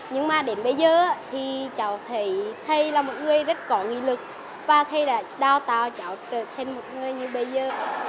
nhưng mà đến bây giờ thì cháu thấy thầy là một người rất có nghị lực và thầy đã đào tạo cháu trở thành một người như bây giờ